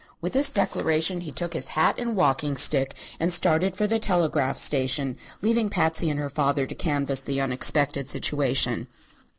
With this declaration he took his hat and walking stick and started for the telegraph station, leaving Patsy and her father to canvass the unexpected situation.